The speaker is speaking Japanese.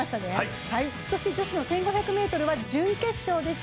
そして女子の１５００ｍは準決勝です。